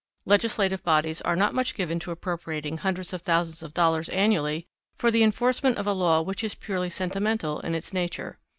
Legislative bodies are not much given to appropriating hundreds of thousands of dollars annually for the enforcement of a law which is purely sentimental in its nature.